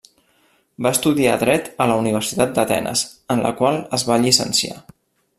Va estudiar dret a la Universitat d'Atenes, en la qual es va llicenciar.